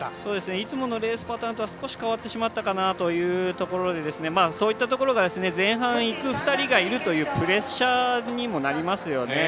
いつものレースパターンとは少し変わってしまったかなというところでそういったところ、前半いく２人がいるっていうプレッシャーにもなりますよね。